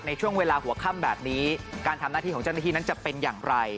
ในช่วงเวลาหัวค่ำแบบนี้การทำหน้าที่ของเจ้าหน้าที่นั้นจะเป็นอย่างไร